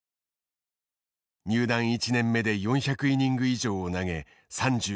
入団１年目で４００イニング以上を投げ３５勝をあげた。